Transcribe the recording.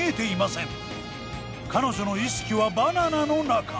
彼女の意識はバナナの中。